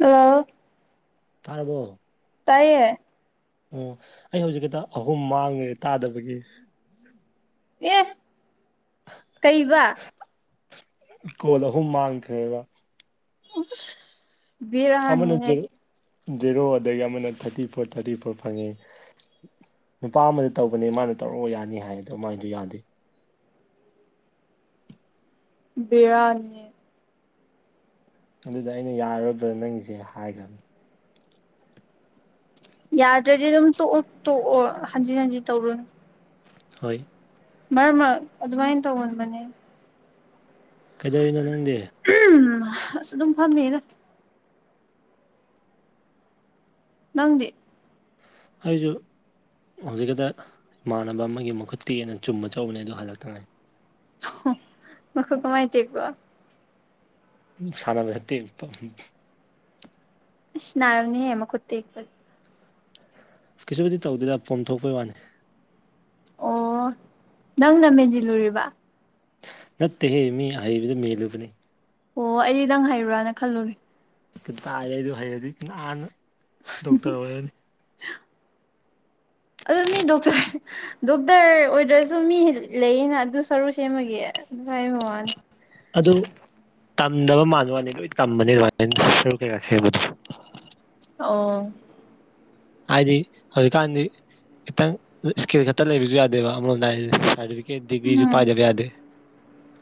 hello ꯇꯥꯔꯕꯣ ꯇꯥꯏꯌꯦ ꯑꯣ ꯑꯩ ꯍꯧꯖꯤꯛꯀꯤꯗꯣ ꯑꯍꯨꯝ ꯃꯥꯡꯒꯔꯦ ꯇꯥꯗꯕꯒꯤ ꯑꯦ ꯀꯩꯕ ꯀꯣꯜ ꯑꯍꯨꯝ ꯃꯥꯥꯡꯈ꯭ꯔꯦꯕ ꯑꯁ ꯑꯃꯅ ꯚꯦꯔꯥꯅꯤꯍꯦ ꯖꯦꯔꯣ ꯖꯦꯔꯣ ꯑꯗꯒꯤ ꯑꯃꯅ ꯊꯥꯔꯇꯤ ꯐꯣꯔ ꯊꯥꯔꯇꯤ ꯐꯣꯔ ꯐꯪꯉꯦ ꯅꯨꯄꯥ ꯑꯃꯗ ꯇꯧꯕꯅꯦ ꯃꯥꯅ ꯇꯧꯔꯛꯑꯣ ꯌꯥꯅꯤ ꯍꯥꯏꯌꯦ ꯑꯗꯣ ꯃꯥꯏꯗꯣ ꯌꯥꯗꯦ ꯕꯦꯔꯥꯅꯤꯍꯦ ꯑꯗꯨꯗ ꯑꯩꯅ ꯌꯥꯔꯔꯣꯌꯗꯔꯥ ꯅꯪꯒꯤꯁꯦ ꯍꯥꯏꯈ꯭ꯔꯕꯅꯤ ꯌꯥꯗ꯭ꯔꯗꯤ ꯑꯗꯨꯝ ꯇꯣꯛꯑꯣ ꯇꯣꯛꯑꯣ ꯍꯟꯖꯤꯟ ꯍꯟꯖꯤꯟ ꯇꯧꯔꯨꯅꯨ ꯍꯣꯏ ꯃꯔꯛ ꯃꯔꯛ ꯑꯗꯨꯃꯥꯏꯅ ꯇꯧꯒꯟꯕꯅꯦ ꯀꯩꯗꯧꯔꯤꯅꯣ ꯅꯪꯗꯤ ꯑꯁ ꯑꯗꯨꯝ ꯐꯝꯃꯤꯗ ꯅꯪꯗꯤ ꯑꯩꯖꯨ ꯍꯧꯖꯤꯛꯀꯗ ꯏꯃꯥꯟꯅꯕ ꯑꯃꯒꯤ ꯃꯈꯨꯠ ꯇꯦꯛꯑꯦꯅ ꯆꯨꯝꯕ ꯆꯧꯕꯅꯦ ꯑꯗꯨ ꯍꯜꯂꯛꯇ ꯉꯥꯏ ꯍ ꯃꯈꯨꯠ ꯀꯃꯥꯏ ꯇꯦꯛꯄ ꯁꯥꯅꯕꯗ ꯇꯦꯛꯄ ꯏꯁ ꯅꯥꯔꯝꯅꯤꯍꯦ ꯃꯈꯨꯠ ꯇꯦꯛꯄ ꯀꯩꯁꯨꯕꯨꯗꯤ ꯇꯧꯗꯦꯗ ꯄꯣꯝꯊꯣꯛꯄꯩ ꯋꯥꯅꯤ ꯑꯣ ꯅꯪꯅ ꯃꯦꯟꯁꯤꯜꯂꯨꯔꯤꯕ ꯅꯠꯇꯦꯍꯦ ꯃꯤ ꯑꯍꯩꯕꯗ ꯃꯦꯜꯂꯨꯕꯅꯤ ꯑꯣ ꯑꯩꯗꯤ ꯅꯪ ꯍꯩꯕ꯭ꯔꯥꯅ ꯈꯜꯂꯨꯔꯦ ꯀꯗꯥꯢꯗꯩ ꯑꯗꯨ ꯍꯩꯔꯗꯤ ꯅꯍꯥꯟꯅ ꯗꯣꯛꯇꯔ ꯑꯣꯏꯔꯅꯤ ꯑꯗꯨ [inaudible] ꯃꯤ ꯗꯣꯛꯇꯔ ꯗꯣꯛꯇꯔ ꯑꯣꯏꯗ꯭ꯔꯁꯨ ꯃꯤ ꯂꯩꯌꯦꯅ ꯑꯗꯨ ꯁꯔꯨ ꯁꯦꯝꯕꯒꯤ ꯑꯗꯨ ꯍꯥꯌꯕꯅꯤ ꯕꯋꯥꯅꯦ ꯑꯗꯨ ꯇꯝꯗꯕ ꯃꯥꯟꯕ꯭ꯋꯥꯅꯤ ꯂꯣꯏ ꯇꯝꯕꯅꯤ ꯑꯗꯨꯃꯥꯏꯅ ꯁꯦꯝꯕꯗꯣ ꯑꯣ ꯍꯥꯏꯗꯤ ꯍꯧꯖꯤꯀꯥꯟꯗꯤ ꯈꯤꯇꯪ ꯏꯁꯀꯤꯜ ꯈꯛꯇ ꯂꯩꯕꯁꯨ ꯌꯥꯗꯦꯕ ꯑꯃꯔꯣꯝꯗ ꯍꯥꯌꯔꯗꯤ ꯁꯔꯇꯤꯐꯤꯒꯦꯠ ꯗꯤꯒ꯭ꯔꯤꯁꯨꯨ ꯎꯝ ꯄꯥꯏꯗꯕ ꯌꯥꯗꯦ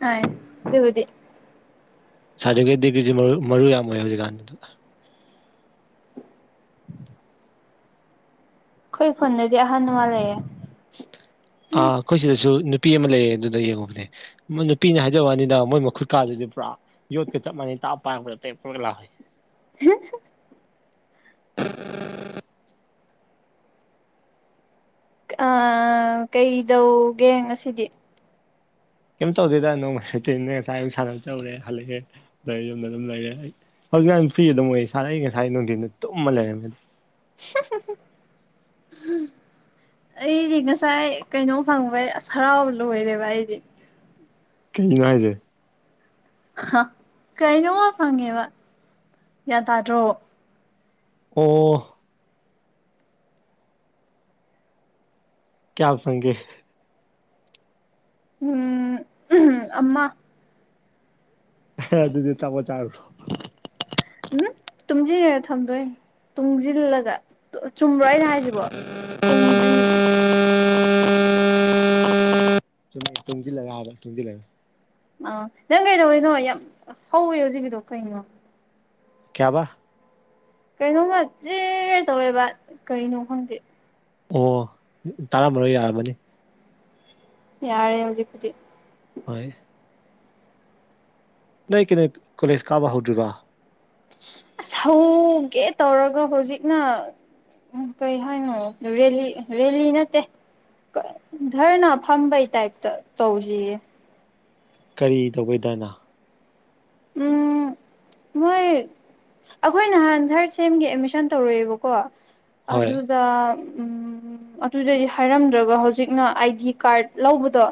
ꯍꯥꯏ ꯑꯗꯨꯕꯨꯗꯤ ꯁꯥꯔꯗꯤꯐꯤꯒꯦꯠ ꯗꯤꯒ꯭ꯔꯤꯁꯨ ꯃꯔꯨ ꯌꯥꯝ ꯑꯣꯏ ꯍꯧꯖꯤꯛꯀꯥꯟꯗꯨꯗ [unintelligible] [inaudible] ꯐꯣꯟꯅꯗꯤ ꯑꯍꯥꯟ ꯃꯥꯂꯦꯌꯦ ꯑꯩꯈꯣꯏ ꯁꯤꯗꯁꯨ ꯅꯨꯄꯤ ꯑꯃ ꯂꯩꯌꯦ ꯑꯗꯨꯗ ꯌꯦꯡꯉꯨꯕꯅꯦ ꯅꯨꯄꯤꯅꯤ ꯍꯥꯏꯖꯕꯅꯤꯗ ꯃꯣꯏ ꯃꯈꯨꯠ ꯀꯥꯗꯨꯗꯤ ꯄꯨꯔꯥ ꯌꯣꯠꯀ ꯆꯞ ꯃꯥꯟꯅꯩ ꯇꯥꯞ ꯄꯥꯏꯔꯛꯄ ꯇꯦꯛꯄꯒ ꯌꯥꯎꯏ [unintelligible] [unintelligible] ꯑ ꯀꯩꯗꯧꯒꯦ ꯉꯁꯤꯗꯤ ꯀꯩꯝ ꯇꯧꯗꯦꯗ ꯅꯣꯡ ꯁꯤꯇꯤꯟꯅꯦ ꯉꯁꯥꯏ ꯑꯌꯨꯛ ꯁꯥꯟꯅꯕ ꯆꯠꯂꯨꯔꯦ ꯍꯜꯂꯛꯑꯦ ꯑꯗꯨꯗ ꯌꯨꯝꯗ ꯑꯗꯨꯝ ꯂꯩꯔꯦ ꯑꯩ ꯍꯧꯖꯤꯛꯀꯥꯟ ꯐ꯭ꯔꯤ ꯑꯗꯨꯝ ꯑꯣꯏ ꯁꯥꯥꯟꯅ ꯑꯩ ꯉꯁꯥꯏ ꯅꯨꯡꯊꯤꯟꯗ ꯇꯨꯝꯃ ꯂꯩꯔꯝꯃꯦ ꯎꯝ [unintelligible] ꯑꯩꯗꯤ ꯉꯁꯥꯏ ꯀꯩꯅꯣ ꯐꯪꯕꯩ ꯑꯁ ꯍꯔꯥꯎꯕ ꯂꯣꯏꯔꯦꯕ ꯑꯩꯗꯤ ꯀꯩꯅꯣ ꯍꯥꯏꯁꯦ ꯍꯥ ꯀꯩꯅꯣꯝ ꯐꯪꯉꯦꯕ ꯒ꯭ꯌꯥꯟ ꯇꯥꯗ꯭ꯔꯣ ꯑꯣ ꯀꯌꯥ ꯐꯪꯒꯦ ꯎꯝ ꯑꯃ ꯍ ꯑꯗꯨꯗꯤ ꯆꯥꯄꯣꯠ ꯆꯥꯔꯨꯔꯣ ꯎꯝ ꯇꯨꯡꯁꯤꯟꯂ ꯊꯝꯗꯣꯏꯅꯦ ꯇꯨꯡꯖꯤꯜꯂꯒ ꯆꯨꯝꯕꯔꯣ ꯑꯩꯅ ꯍꯥꯏꯁꯤꯕꯣ ꯇꯨꯝꯖꯤꯟ ꯆꯨꯝꯃꯦ ꯇꯨꯡꯖꯤꯜꯂꯒ ꯍꯥꯏꯕ ꯇꯨꯡꯖꯤꯜꯂꯒ ꯑꯥ ꯅꯪ ꯀꯩꯗꯧꯕꯩꯅꯣ ꯌꯥꯝ ꯍꯧꯋꯦ ꯍꯧꯖꯤꯛꯀꯤꯗꯣ ꯀꯩꯅꯣ ꯀꯌꯥꯕ ꯀꯩꯅꯣꯝꯃ ꯆꯦ ꯍꯦ ꯇꯧꯋꯦꯕ ꯀꯩꯅꯣ ꯈꯪꯗꯦ ꯑꯣ ꯇꯥꯔꯝꯃꯔꯣꯏ ꯌꯥꯔꯝꯃꯅꯤ ꯌꯥꯔꯦ ꯍꯧꯖꯤꯛꯄꯨꯗꯤ ꯍꯣꯏ ꯅꯣꯏ ꯀꯩꯅꯣ ꯀꯣꯂꯦꯖ ꯀꯥꯕ ꯍꯧꯗ꯭ꯔꯤꯕꯥ ꯑꯁ ꯍꯧꯒꯦ ꯇꯧꯔꯒ ꯍꯧꯖꯤꯛꯅ ꯎꯝ ꯀꯩ ꯍꯥꯏꯅꯣ ꯔꯦꯂꯤ ꯔꯦꯂꯤ ꯅꯠꯇꯦ ꯙꯔꯅ ꯐꯝꯕꯩ ꯇꯥꯏꯞꯇ ꯇꯧꯔꯤꯌꯦ ꯀꯔꯤ ꯇꯧꯕꯩ ꯙꯔꯅ ꯎꯝ ꯃꯣꯏ ꯑꯩꯈꯣꯏ ꯅꯍꯥꯟ ꯊꯥꯔꯠ ꯁꯦꯝꯒꯤ ꯑꯦꯠꯃꯤꯁꯟ ꯇꯧꯔꯦꯕꯀꯣ ꯍꯣꯏ ꯑꯗꯨꯗ ꯎꯝ ꯑꯗꯨꯗꯗꯤ ꯍꯥꯏꯔꯝꯗ꯭ꯔꯒ ꯍꯧꯖꯤꯛꯅ ꯑꯥꯏ ꯗꯤ ꯀꯥꯔꯗ ꯂꯧꯕꯗꯣ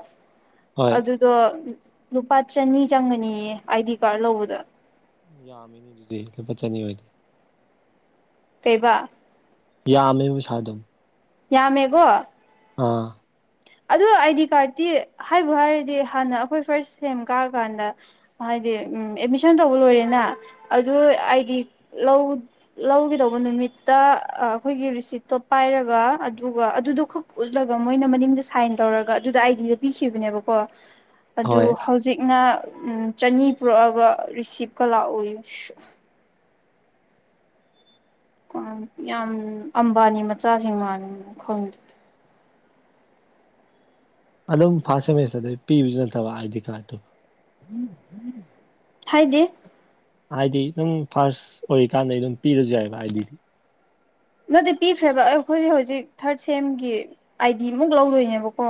ꯍꯣꯏ ꯑꯗꯨꯗꯣ ꯂꯨꯄꯥ ꯆꯅꯤ ꯆꯪꯒꯅꯤꯌꯦ ꯑꯥꯏꯗꯤ ꯀꯥꯔꯗ ꯂꯧꯕꯗ ꯌꯥꯝꯃꯤꯅꯤ ꯑꯗꯨꯗꯤ ꯂꯨꯄꯥ ꯆꯅꯤ ꯑꯣꯏꯗꯤ ꯀꯩꯕ ꯌꯥꯝꯃꯦ ꯄꯩꯁꯥꯗꯣ [unintelligible] ꯌꯥ ꯃꯦ ꯀꯣ ꯑꯥ ꯑꯗꯣ ꯑꯥꯏꯗꯤ ꯀꯥꯔꯇꯤ ꯍꯥꯏꯕꯨ ꯍꯥꯏꯔꯗꯤ ꯍꯥꯟꯅ ꯑꯩꯈꯣꯏ ꯐꯥꯔꯁ ꯁꯦꯝ ꯀꯥꯀꯥꯟꯗ ꯍꯥꯏꯗꯤ ꯍꯥꯏꯗꯤ ꯎꯝ ꯑꯦꯗꯃꯤꯁꯟ ꯇꯧꯕ ꯂꯣꯏꯔꯦꯅ ꯑꯗꯨ ꯑꯥꯏꯗꯤ ꯂꯧ ꯂꯧꯒꯗꯧꯕ ꯅꯨꯃꯤꯠ ꯃꯤꯠꯇ ꯑꯈꯣꯏꯒꯤ ꯔꯤꯁꯤꯠꯇꯣ ꯄꯥꯏꯔꯒ ꯑꯗꯨꯒ ꯑꯗꯨꯗꯣ ꯈꯛ ꯎꯠꯂꯒ ꯃꯣꯏꯅ ꯃꯅꯤꯡꯗꯣ ꯁꯥꯏꯟ ꯇꯧꯔꯒ ꯑꯗꯨꯗ ꯑꯥꯏꯗꯤꯗꯣ ꯄꯤꯈꯤꯕꯅꯦꯕꯀꯣ ꯑꯗꯨ ꯍꯣꯏ ꯍꯧꯖꯤꯛꯅ ꯎꯝ ꯆꯅꯤ ꯄꯨꯔꯛꯑꯒ ꯔꯤꯁꯤꯞꯀ ꯂꯥꯛꯑꯣꯌꯦ ꯁ꯭ꯌꯥ ꯌꯥꯝ ꯑꯝꯕꯥꯅꯤ ꯃꯆꯥꯁꯤꯡ ꯃꯥꯟꯕ꯭ꯔꯥ ꯈꯪꯗꯦ ꯑꯗꯨꯝ ꯐꯥꯔꯁ ꯁꯦꯃꯤꯁꯇꯔꯗꯩ ꯄꯤꯕꯁꯨ ꯅꯠꯇꯕ ꯑꯥꯢ ꯗꯤ ꯀꯥꯔꯠꯇꯣ ꯍꯥꯏꯗꯤ ꯍꯥꯏꯗꯤ ꯑꯗꯨꯝ ꯐꯥꯔꯁ ꯑꯣꯏꯔꯤꯀꯥꯟꯗꯩ ꯑꯗꯨꯝ ꯄꯤꯔꯁꯨ ꯌꯥꯏꯌꯦꯕ ꯑꯥꯏꯗꯤ ꯗꯤ ꯅꯠꯇꯦ ꯄꯤꯈ꯭ꯔꯦꯕ ꯑꯩꯈꯣꯏꯒꯤ ꯍꯧꯖꯤꯛ ꯊꯥꯔꯠ ꯁꯦꯝꯒꯤ ꯑꯥꯏꯗꯤ ꯃꯨꯛ ꯂꯧꯗꯣꯏꯅꯦꯕꯀꯣ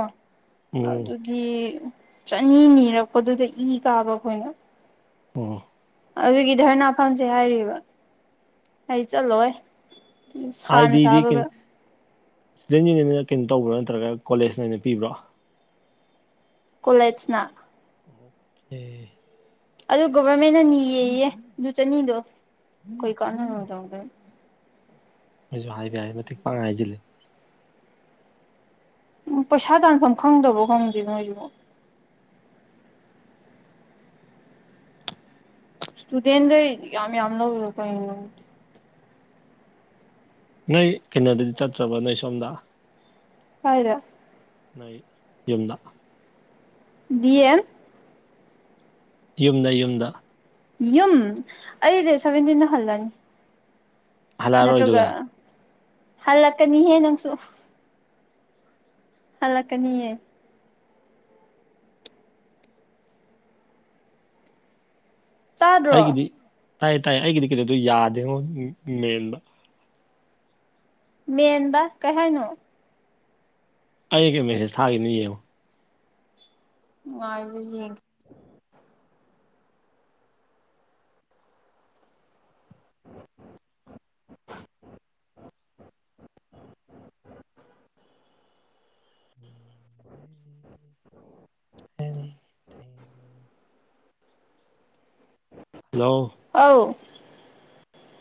ꯎꯝ ꯑꯗꯨꯒꯤ ꯆꯅꯤ ꯅꯤꯔꯛꯄꯗꯨꯗ ꯏ ꯀꯥꯕ ꯑꯩꯈꯣꯏꯅ ꯑꯣ ꯑꯗꯨꯒꯤ ꯙꯔꯅꯥꯐꯝꯁꯦ ꯍꯥꯏꯔꯤꯕ ꯑꯩ ꯆꯠꯂꯣꯏ ꯑꯥꯏ ꯁꯥꯅ ꯗꯤꯗꯤ ꯁꯥꯕꯒ ꯏꯁꯇꯨꯗꯦꯟ ꯌꯨꯅꯤꯌꯟꯅ ꯀꯩꯅꯣ ꯇꯧꯕ꯭ꯔꯥ ꯅꯠꯇ꯭ꯔꯒ ꯀꯣꯂꯦꯖꯅ ꯑꯣꯏꯅ ꯄꯤꯕ꯭ꯔꯣ ꯀꯣꯂꯦꯖꯅ ꯑꯣꯀꯦ ꯑꯗꯨ ꯒꯣꯚꯔꯃꯦꯟꯅ ꯅꯤꯌꯦꯌꯦ ꯗꯨ ꯆꯅꯤꯗꯣ ꯀꯩ ꯀꯥꯟꯅꯔꯣꯢꯗꯧꯗ ꯃꯣꯢꯁꯨ ꯍꯥꯏꯕ ꯌꯥꯢ ꯃꯇꯤꯛ ꯄꯪꯍꯥꯢ ꯍꯥꯢꯖꯤꯜꯂꯦ ꯎꯝ ꯄꯩꯁꯥ ꯇꯥꯥꯟꯐꯝ ꯈꯪꯗꯕꯣ ꯈꯪꯗꯦ ꯃꯣꯏꯁꯤꯕꯨ ꯏꯁꯇꯨꯗꯦꯟꯗꯩ ꯌꯥꯝ ꯌꯥꯝ ꯂꯧꯔꯤꯔ ꯀꯩꯅꯣ ꯈꯪꯗꯦ ꯅꯣꯏ ꯀꯩꯅꯣꯗꯗꯤ ꯆꯠꯇ꯭ꯔꯕ ꯅꯣꯏ ꯁꯣꯝꯗ ꯀꯥꯢꯗ ꯅꯣꯏ ꯌꯨꯝꯗ ꯗꯤꯑꯦꯝ ꯌꯨꯝꯗ ꯌꯨꯝꯗ ꯌꯨꯝ ꯑꯩ ꯗꯦꯠ ꯁꯚꯦꯟꯇꯤꯟꯗ ꯍꯜꯂꯅꯤ ꯅꯠꯇ꯭ꯔꯒ ꯍꯜꯂꯛꯑꯔꯣꯏꯗꯨꯒ ꯍꯜꯂꯛꯀꯅꯤꯍꯦ ꯅꯪꯁꯨ ꯍꯜꯂꯛꯀꯅꯤꯌꯦ ꯇꯥꯗ꯭ꯔꯣ ꯇꯥꯏ ꯇꯥꯏ ꯑꯩꯒꯤꯗꯤ ꯀꯩꯅꯣꯗꯣ ꯌꯥꯗꯦꯉꯣ ꯃꯦꯟꯕꯥ ꯃꯦꯟꯕ ꯀꯩ ꯍꯥꯏꯅꯣ ꯑꯩꯒꯤ ꯃꯦꯁꯦꯁ ꯊꯥꯈꯤꯕꯅꯦ ꯌꯦꯡꯉꯣ ꯉꯥꯢꯌꯣ ꯌꯦꯡꯒꯦ [inaudible] ꯍꯂꯣ ꯑꯧ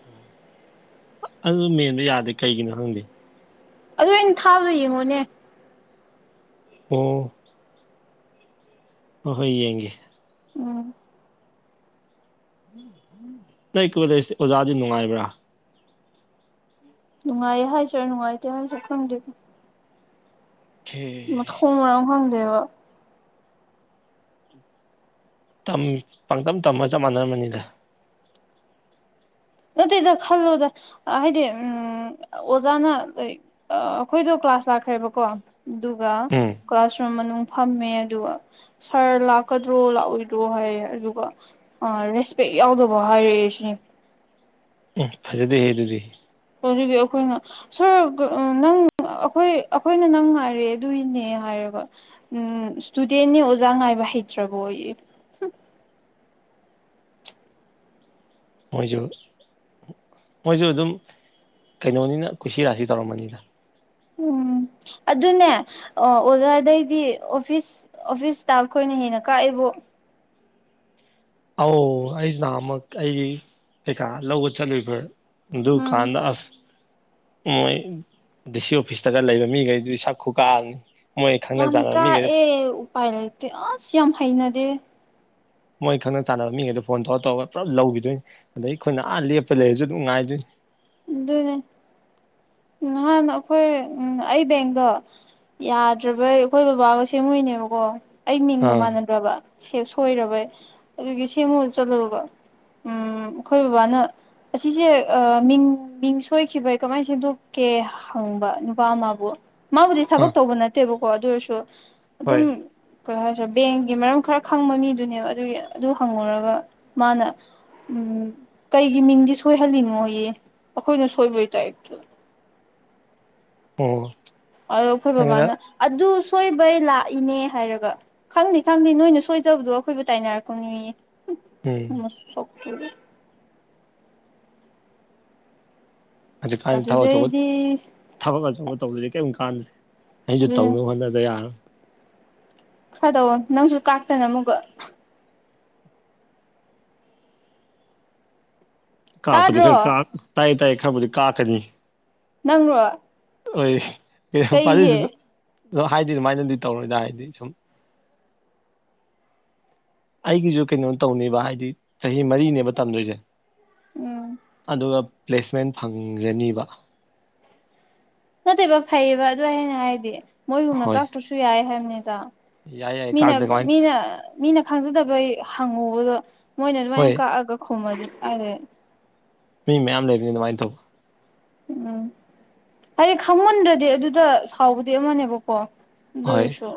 ꯑꯣ ꯑꯗꯨꯗꯣ ꯃꯦꯟꯕ ꯌꯥꯗꯦ ꯀꯩꯒꯤꯅꯣ ꯈꯪꯗꯦ ꯑꯗꯨ ꯑꯩꯅ ꯊꯥꯕꯗꯣ ꯌꯦꯡꯉꯨꯅꯦ ꯑꯣ ꯍꯣꯢ ꯍꯣꯏ ꯌꯦꯡꯒꯦ ꯎꯝ ꯅꯣꯢ ꯀꯣꯂꯦꯖ ꯑꯣꯖꯥꯗꯤ ꯅꯨꯡꯉꯥꯏꯕ꯭ꯔꯥ ꯅꯨꯡꯉꯥꯏꯌꯦ ꯍꯥꯏꯁꯤꯔꯥ ꯅꯨꯡꯉꯥꯏꯇꯦ ꯍꯥꯏꯁꯤꯔꯥ ꯈꯪꯗꯦꯗ ꯈꯦ ꯃꯊꯣꯡ ꯃꯔꯝ ꯈꯪꯗꯦꯕ ꯇꯝ ꯄꯪꯇꯝ ꯇꯝꯃ ꯆꯞ ꯃꯥꯟꯅꯔꯝꯃꯅꯤꯗ ꯅꯠꯇꯦꯗ ꯈꯜꯂꯣꯗ ꯍꯥꯏꯗꯤ ꯎꯝ ꯑꯣꯖꯥꯅ ꯂꯥꯢꯛ ꯑꯩꯈꯣꯏꯗꯣ ꯀ꯭ꯂꯥꯁ ꯂꯥꯛꯈ꯭ꯔꯦꯕꯀꯣ ꯑꯗꯨꯒ ꯎꯝ ꯀ꯭ꯂꯥꯁꯔꯨꯝ ꯃꯅꯨꯡ ꯐꯝꯃꯦ ꯑꯗꯨꯒ ꯁꯥꯔ ꯂꯥꯛ ꯂꯥꯛꯀꯗ꯭ꯔꯣ ꯂꯥꯛꯑꯣꯏꯗ꯭ꯔꯣ ꯍꯥꯏꯔꯦ ꯑꯗꯨꯒ ꯑꯥ ꯔꯦꯁꯄꯦꯛ ꯌꯥꯎꯗꯕ ꯍꯥꯏꯔꯛꯑꯦ ꯁꯤꯅꯤ ꯎꯝ ꯐꯖꯗꯦ ꯍꯦ ꯑꯗꯨꯗꯤ ꯑꯗꯨꯕꯤ ꯑꯩꯈꯣꯏꯅ ꯁꯥꯔ ꯅꯪ ꯑꯩꯈꯣꯏ ꯑꯩꯈꯣꯏꯅ ꯅꯪ ꯉꯥꯏꯔꯦ ꯑꯗꯨꯏꯅꯦ ꯍꯥꯏꯔꯦꯒ ꯎꯝ ꯏꯁꯇꯨꯗꯦꯟꯅꯦ ꯑꯣꯖꯥ ꯉꯥꯏꯕ ꯍꯥꯏ ꯍꯩꯇ꯭ꯔꯕꯣꯌꯦ ꯍꯪ [inaudible] ꯃꯣꯏꯁꯨ ꯃꯣꯏꯁꯨ ꯑꯗꯨꯝ ꯀꯩꯅꯣꯅꯤꯅ ꯀꯨꯁꯤꯔꯥꯁꯤ ꯇꯧꯔꯝꯒꯅꯤꯗ ꯎꯝ ꯑꯗꯨꯅꯦ ꯑꯣꯖꯥꯗꯩꯗꯤ ꯑꯣꯐꯤꯁ ꯑꯣꯐꯤꯁ ꯏꯁꯇꯥꯐ ꯈꯣꯏꯅꯤ ꯍꯦꯟꯅ ꯀꯥꯛꯏꯕꯣ ꯑꯧ ꯑꯩꯖꯨ ꯅꯍꯥꯟ ꯃꯨꯛ ꯑꯩ ꯀꯩꯀꯥ ꯂꯧꯕ ꯆꯠꯂꯨꯏꯕ ꯗꯨ ꯎꯝ ꯀꯥꯟꯗꯥ ꯑꯁ ꯃꯣꯏ ꯗꯤ ꯁꯤ ꯑꯣꯐꯤꯁꯇꯒ ꯂꯩꯕ ꯃꯤꯈꯩꯗꯨꯗꯤ ꯁꯛ ꯈꯨꯀꯥꯛꯑꯝꯅꯤ ꯌꯥꯝ ꯀꯥꯛ ꯑꯦ ꯎꯄꯥꯏ ꯂꯩꯇꯦ ꯑꯁ ꯌꯥꯝ ꯍꯩꯅꯗꯦ ꯃꯣꯏ ꯈꯪꯅ ꯆꯥꯟꯅꯕ ꯃꯤꯉꯩꯗ ꯐꯣꯟ ꯇꯧꯔ ꯇꯧꯔꯒ ꯄꯨꯂꯞ ꯂꯧꯒꯤꯗꯣꯏꯅꯤ ꯑꯗꯩ ꯈꯣꯏꯅ ꯑꯥ ꯂꯦꯞꯄ ꯂꯩꯔꯁꯨ ꯑꯗꯨꯝ ꯉꯥꯏꯗꯣꯏꯅꯤ ꯑꯗꯨꯅꯦ ꯅꯍꯥꯟ ꯑꯩꯈꯣꯏ ꯎꯝ ꯑꯩ ꯕꯦꯡꯗꯣ ꯌꯥꯗ꯭ꯔꯕꯩ ꯑꯩꯈꯣꯏ ꯕꯕꯥꯒ ꯁꯦꯝꯃꯨꯏꯅꯦꯕꯀꯣ ꯑꯩ ꯃꯤꯡꯒ ꯑꯥ ꯃꯥꯟꯅꯗ꯭ꯔꯕ ꯁꯦꯞ ꯁꯣꯏꯔꯕꯩ ꯑꯗꯨꯒꯤ ꯁꯦꯝꯃꯨ ꯆꯠꯂꯨꯕꯀꯣ ꯎꯝ ꯑꯩꯈꯣꯏ ꯕꯕꯥꯅ ꯑꯁꯤꯁꯦ ꯑ ꯃꯤꯡ ꯃꯤꯡ ꯁꯣꯏꯈꯤꯕꯩ ꯀꯃꯥꯏ ꯁꯦꯝꯗꯣꯛꯀꯦ ꯍꯪꯕ ꯅꯨꯄꯥ ꯑꯃꯕꯨ ꯃꯥꯕꯨꯗꯤ ꯑꯥ ꯊꯕꯛ ꯇꯧꯕ ꯅꯠꯇꯦꯕꯀꯣ ꯑꯗꯨ ꯑꯣꯏꯔꯁꯨ ꯍꯣꯏ ꯑꯗꯨꯝ ꯀꯩ ꯍꯥꯏꯁꯤꯔ ꯕꯦꯡꯒꯤ ꯃꯔꯝ ꯈꯔ ꯈꯪꯕ ꯃꯤꯗꯨꯅꯦꯕ ꯑꯗꯨꯒꯤ ꯑꯗꯨ ꯍꯪꯉꯨꯔꯒ ꯃꯥꯅ ꯎꯝ ꯀꯩꯒꯤ ꯃꯤꯡꯗꯤ ꯁꯣꯏꯍꯜꯂꯤꯅꯣ ꯌꯦ ꯑꯈꯣꯏꯅ ꯁꯣꯏꯕꯩ ꯇꯥꯏꯄꯇ ꯑꯣ ꯑꯗ ꯑꯩꯈꯣꯏ ꯈꯪꯉꯦꯗ ꯕꯕꯥꯅ ꯑꯗꯨ ꯁꯣꯏꯕꯩ ꯂꯥꯛꯏꯅꯦ ꯍꯥꯏꯔꯒ ꯈꯪꯗꯦ ꯈꯪꯗꯦ ꯅꯣꯏꯅ ꯁꯣꯏꯖꯕꯗꯣ ꯑꯩꯈꯣꯏꯕꯨ ꯇꯥꯏꯅꯔꯛꯀꯅꯣꯌꯦ ꯎꯝ ꯃꯁꯛꯁꯤꯒ ꯍꯧꯖꯤꯛꯀꯥꯟ ꯊꯕꯛ ꯑꯆꯧꯕ ꯑꯗꯨꯗꯩꯗꯤ ꯊꯕꯛ ꯑꯆꯧꯕ ꯇꯧꯗ꯭ꯔꯗꯤ ꯀꯦꯝ ꯀꯥꯟꯗ꯭ꯔꯦ ꯑꯩꯁꯨ ꯇꯧꯅꯕ ꯍꯣꯠꯅꯗ ꯌꯥꯔꯣꯏ ꯈꯔ ꯇꯧꯑꯣ ꯅꯪꯁꯨ ꯀꯥꯛꯇꯅ ꯑꯃꯨꯛꯀ ꯀꯥꯛꯄꯗꯤ ꯈꯔ ꯇꯥꯗ꯭ꯔꯣ ꯀꯥꯛ ꯇꯥꯏ ꯇꯥꯏ ꯈꯔꯕꯨꯗꯤ ꯀꯥꯛꯀꯅꯤ ꯅꯪꯔꯣ ꯑꯣꯏ [unintelligible] ꯀꯩꯒꯤ ꯑ ꯍꯥꯏꯗꯤ ꯑꯗꯨꯃꯥꯏꯅꯗꯤ ꯇꯧꯔꯣꯏꯗꯥ ꯍꯥꯏꯗꯤ ꯁꯨꯝ ꯑꯩꯒꯤꯁꯨ ꯀꯩꯅꯣ ꯇꯧꯅꯦꯕ ꯍꯥꯏꯗꯤ ꯆꯍꯤ ꯃꯔꯤꯅꯦꯕ ꯇꯝꯗꯣꯏꯁꯦ ꯎꯝ ꯑꯗꯨꯒ ꯄ꯭ꯂꯦꯁꯃꯦꯟ ꯐꯪꯒꯅꯤꯕ ꯅꯠꯇꯦꯕ ꯐꯩꯌꯦꯕ ꯑꯗꯨ ꯑꯩꯅ ꯍꯥꯏꯗꯤ ꯃꯣꯏꯒꯨꯝꯅ ꯍꯣꯏ ꯀꯥꯛꯇ꯭ꯔꯁꯨ ꯌꯥꯏ ꯍꯥꯏꯝꯅꯤꯗ ꯌꯥꯏ ꯌꯥꯏ ꯃꯤꯅ ꯀꯥꯛꯇ ꯀꯃꯥꯏꯅ ꯃꯤꯅ ꯃꯤꯅ ꯈꯪꯖꯗꯕꯩ ꯍꯪꯉꯨꯕꯗꯣ ꯃꯣꯏꯅ ꯑꯗꯨꯃꯥꯏꯅ ꯍꯣꯏ ꯀꯥꯛꯑꯒ ꯈꯨꯝꯃꯗꯤ ꯀꯥꯏꯗꯩ ꯃꯤ ꯃꯌꯥꯝ ꯂꯩꯕꯅꯤ ꯑꯗꯨꯃꯥꯏ ꯇꯧꯕ ꯎꯝ ꯍꯥꯏꯗꯤ ꯈꯪꯃꯟꯗ꯭ꯔꯗꯤ ꯑꯗꯨꯗ ꯁꯥꯎꯕꯗꯤ ꯑꯃꯅꯦꯕꯀꯣ ꯍꯣꯏ ꯗꯨꯑꯣꯏꯁꯨ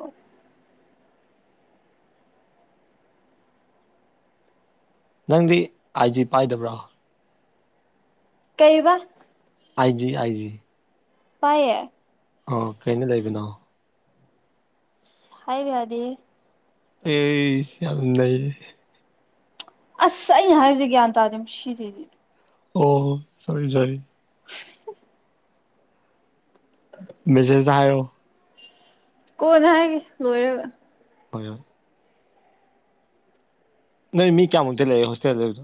ꯅꯪꯗꯤ ꯑꯥꯏꯖꯤ ꯄꯥꯏꯗꯕ꯭ꯔꯣ ꯀꯩꯕ ꯑꯥꯏꯖꯤ ꯑꯥꯏꯖꯤ ꯄꯥꯏꯌꯦ ꯑ ꯀꯩꯅ ꯂꯩꯕꯅꯣ ꯍꯥꯏꯕ ꯌꯥꯗꯦꯍꯦ ꯑꯩꯁ ꯌꯥꯝ ꯅꯩꯍꯦ ꯑꯁ ꯑꯩꯅ ꯍꯥꯏꯕꯁꯦ ꯒ꯭ꯌꯥꯟ ꯇꯥꯗꯦ ꯃꯁꯤꯗꯤ ꯑꯣ ꯁꯣꯔꯤ ꯁꯣꯔꯤ ꯃꯦꯁꯦꯁꯗ ꯍꯥꯥꯏꯌꯣ ꯀꯣꯟꯅ ꯍꯥꯏꯒꯦ ꯂꯣꯏꯔꯒ ꯍꯣꯏ ꯍꯣꯏ ꯅꯣꯏ ꯃꯤ ꯀꯌꯥ ꯃꯨꯛꯇꯤ ꯂꯩ ꯍꯣꯁꯇꯦꯜ ꯂꯩꯗꯣ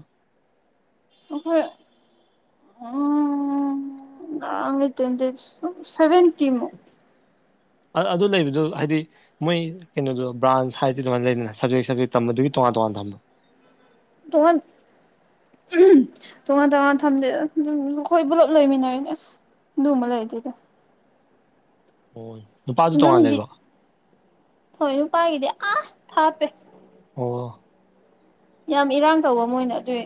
[unintelligible] [unintelligible] ꯁꯕꯦꯟꯇꯤꯃꯨꯛ ꯑꯥ ꯑꯗꯨ ꯂꯩꯕꯗꯨ ꯍꯥꯏꯗꯤ ꯃꯣꯏ ꯀꯩꯅꯣꯗꯣ ꯕ꯭ꯔꯥꯟꯁ ꯍꯥꯏꯗꯤ [unintelligible] ꯂꯩꯗꯅ ꯁ꯭ꯕꯖꯦꯛ ꯁ꯭ꯕꯖꯦꯛ ꯇꯝꯕꯗꯨꯒꯤ ꯇꯣ ꯇꯣꯉꯥꯟ ꯇꯣꯉꯥꯟ ꯊꯝꯕ꯭ꯔꯣ [unintelligible] ꯍꯝꯕꯇꯣꯉꯥꯟ ꯇꯣꯉꯥꯟ ꯊꯝꯗꯦꯗ ꯑꯈꯣꯏ ꯄꯨꯂꯞ ꯂꯩꯃꯤꯟꯅꯔꯤ ꯑ꯭ꯁ ꯑꯗꯨꯝꯕ ꯂꯩꯇꯦꯗ ꯅꯨꯄꯥꯖꯨ ꯇꯣꯡꯉꯥꯟ ꯑꯗꯨꯝꯗꯤ ꯂꯩꯕ꯭ꯔꯣ ꯍꯣꯏ ꯅꯨꯄꯥꯒꯤꯗꯤ ꯑꯥ ꯊꯥꯞꯄꯦ [unintelligible] ꯌꯥꯝ ꯏꯔꯥꯡ ꯇꯧꯕ ꯃꯣꯏꯅ ꯑꯗꯨꯏ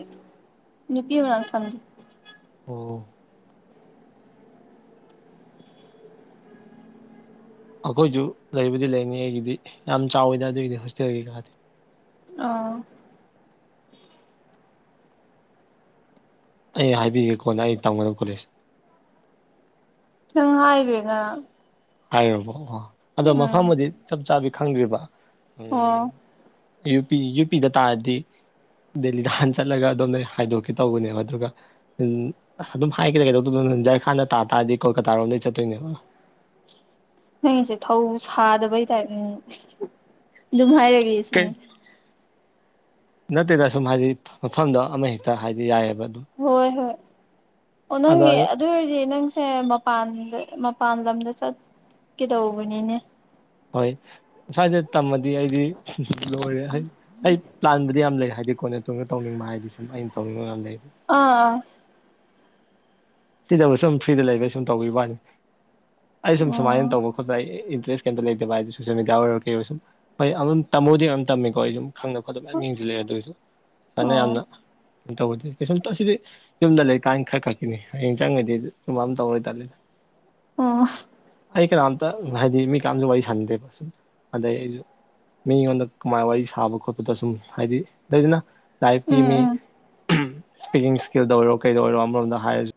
ꯅꯨꯄꯤ ꯃꯅꯥꯛ ꯊꯝꯗꯦ ꯑꯣ ꯑꯈꯣꯏꯖꯨ ꯂꯩꯕꯨꯗꯤ ꯂꯩꯅꯤ ꯑꯩꯒꯤꯗꯤ ꯌꯥꯝ ꯆꯥꯎꯋꯤꯗ ꯑꯗꯨꯏꯗꯤ ꯍꯣꯁꯇꯦꯜ ꯀꯩꯀꯥꯗꯤ ꯑꯥ ꯑꯩ ꯍꯥꯏꯕꯤꯒꯦ ꯀꯣꯟꯅ ꯑꯩ ꯇꯝꯒꯗ꯭ꯕ ꯀꯣꯂꯦꯖ ꯅꯪ ꯍꯥꯏꯒ꯭ꯔꯦ ꯉꯔꯥꯡ ꯍꯥꯏꯒ꯭ꯔꯕꯣ ꯑꯣ ꯑꯗꯣ ꯎꯝ ꯃꯐꯝꯕꯨꯗꯤ ꯆꯞ ꯆꯥꯕꯤ ꯈꯪꯗ꯭ꯔꯤꯕ ꯎꯝ ꯑꯣ ꯌꯨ ꯄꯤ ꯌꯨ ꯄꯤꯗ ꯇꯥꯔꯗꯤ ꯗꯦꯜꯂꯤꯗ ꯍꯥꯟꯅ ꯆꯠꯂꯒ ꯑꯗꯣꯝꯗꯩ ꯍꯥꯏꯗꯣꯛꯀꯦ ꯇꯧꯕꯅꯦꯕ ꯑꯗꯨꯒ ꯎꯝ ꯑꯗꯨꯝ ꯍꯥꯏꯒꯦꯗ ꯀꯩꯗꯧ ꯎꯝ ꯖ꯭ꯔꯈꯥꯟꯗ ꯇꯥ ꯇꯥꯔꯗꯤ ꯀꯣꯜꯀꯇꯥꯔꯣꯝꯗꯩ ꯆꯠꯇꯣꯏꯅꯦꯕ ꯅꯪꯁꯦ ꯊꯧ ꯁꯥꯗꯕꯩ ꯇꯥꯏꯞꯅꯤꯅꯦ ꯗꯨꯝ ꯍꯥꯏꯔꯒꯦ ꯀꯩ ꯁꯤꯅꯦ ꯅꯠꯇꯦꯗ ꯁꯨꯝ ꯍꯥꯏꯗꯤ ꯃꯐꯝꯗꯣ ꯑꯃꯍꯦꯛꯇ ꯍꯥꯏꯗꯤ ꯌꯥꯏꯑꯦ ꯍꯣꯏ ꯍꯣꯏ ꯑꯣ ꯑꯗꯣ ꯅꯪꯒꯤ ꯑꯗꯨꯏ ꯑꯣꯏꯔꯗꯤ ꯅꯪꯁꯦ ꯃꯄꯥꯟꯗ ꯃꯄꯥꯟ ꯂꯝꯗ ꯆꯠꯀꯦꯗꯧꯕꯅꯤꯅꯦ ꯍꯣꯏ ꯑꯁ꯭ꯋꯥꯏꯗ ꯇꯝꯃꯗꯤ ꯑꯩꯗꯤ ꯂꯣꯏꯔꯦ ꯍꯩ ꯑꯩ ꯄ꯭ꯂꯥꯟꯕꯨꯗꯤ ꯌꯥꯝ ꯂꯩ ꯍꯥꯏꯗꯤ ꯀꯣꯟꯅ ꯇꯨꯡꯗ ꯇꯧꯅꯤꯡꯕ ꯍꯥꯏꯗꯤ ꯁꯨꯝ ꯑꯩꯅ ꯇꯧꯅꯤꯡꯕ ꯌꯥꯝ ꯂꯩ ꯑꯥ ꯁꯤꯗꯕꯨ ꯁꯨꯝ ꯐ꯭ꯔꯤꯗ ꯂꯩꯕ ꯁꯨꯝ ꯇꯧꯕꯤꯕ꯭ꯋꯥꯅꯤ ꯑꯩ ꯁꯨꯝ ꯑꯥ ꯁꯨꯃꯥꯏꯅ ꯇꯧꯕ ꯈꯣꯠꯄ ꯑꯩ ꯑꯩ [unintelligible] ꯂꯩꯇꯕ ꯍꯥꯏꯗꯤ ꯁꯣꯁꯦꯜ ꯃꯤꯗꯤꯌꯥ ꯑꯣꯏꯔꯣ ꯀꯩ ꯑꯣꯏ ꯁꯨꯝ ꯍꯣꯏ ꯑꯗꯨꯝ ꯇꯝꯕꯨꯗꯤ ꯑꯗꯨꯝ ꯇꯝꯃꯤꯀꯣ ꯑꯩ ꯁꯨꯝ ꯈꯪꯗꯕ ꯈꯣꯠꯇꯕ ꯑꯣ ꯃꯌꯥꯝ ꯌꯦꯡꯖꯤꯜꯂꯦ ꯑꯗꯨꯑꯣꯢꯁꯨ ꯁꯨꯃꯥꯏꯅ ꯑꯣ ꯌꯥꯝꯅ ꯇꯧꯕꯗꯤ ꯀꯩꯁꯨꯝꯇ ꯁꯤꯗꯤ ꯌꯨꯝꯗ ꯂꯩꯀꯥꯟ ꯈꯔ ꯈꯛꯀꯤꯅꯦ ꯍꯌꯦꯡ ꯆꯪꯒ꯭ꯔꯗꯤ ꯁꯨꯝꯕ ꯑꯝ ꯇꯧꯔꯣꯏ ꯇꯜꯂꯤꯗ ꯑꯁ ꯑꯩ ꯀꯅꯥꯝꯇ ꯍꯥꯏꯗꯤ ꯃꯤ ꯀꯅꯥꯝꯁꯨ ꯋꯥꯔꯤ ꯁꯥꯟꯗꯦꯕ ꯁꯨꯝ ꯑꯗꯩ ꯑꯩꯖꯨ ꯃꯤꯉꯣꯟꯗ ꯀꯃꯥꯏ ꯋꯥꯔꯤ ꯁꯥꯕ ꯈꯣꯠꯄꯗꯣ ꯁꯨꯝ ꯍꯥꯏꯗꯤ ꯂꯩꯗꯅ ꯂꯥꯏꯐꯀꯤ ꯎꯝ ꯃꯤ ꯎꯝ ꯏ꯭ꯁꯄꯤꯀꯤꯡ ꯁ꯭ꯀꯤꯜꯗ ꯑꯣꯏꯔꯣ ꯀꯩꯗ ꯑꯣꯏꯔꯣ ꯑꯃꯔꯣꯝꯗ ꯍꯥꯏꯔꯁꯨ